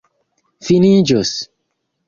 finiĝos